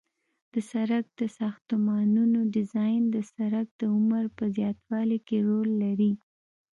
د سرک د ساختمانونو ډیزاین د سرک د عمر په زیاتوالي کې رول لري